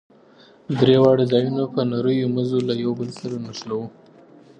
درې واړه ځايونه په نريو مزو له يو بل سره نښلوو.